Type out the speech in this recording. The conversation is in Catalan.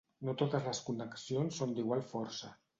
No totes les connexions són d'igual força.